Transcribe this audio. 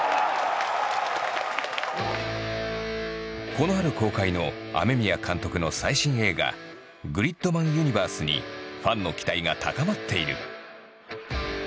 この春公開の雨宮監督の最新映画「グリッドマンユニバース」にファンの期待が高まっている。